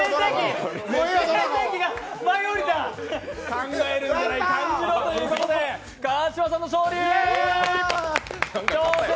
考えるな感じろということで川島さんの勝利。